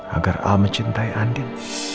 agar al mencintai andin